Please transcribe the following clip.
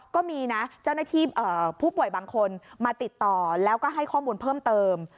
ก็มีนะเจ้าหน้าที่ผู้ป่วยบางคนมาติดต่อแล้วก็ให้ข้อมูลเพิ่มเติม